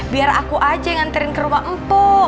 biar aku aja nganterin ke rumah mpok